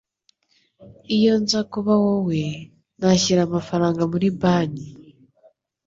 Iyo nza kuba wowe, nashyira amafaranga muri banki.